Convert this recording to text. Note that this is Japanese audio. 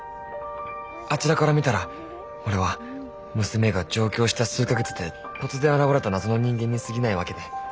あちらから見たら俺は娘が上京した数か月で突然現れた謎の人間にすぎないわけで。